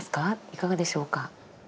いかがでしょうか？